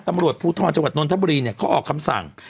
ตำรวจภูทรจังหวัดนนทบุรีเนี่ยเขาออกคำสั่ง